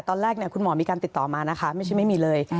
ตอนแรกคุณหมอมีการติดต่อมานะคะไม่ใช่ไม่มีเลย